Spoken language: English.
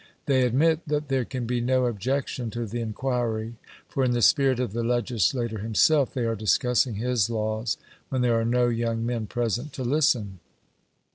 They admit that there can be no objection to the enquiry; for in the spirit of the legislator himself, they are discussing his laws when there are no young men present to listen.